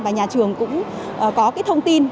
và nhà trường cũng có thông tin